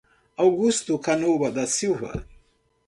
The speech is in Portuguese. Augusto Canoa da Silva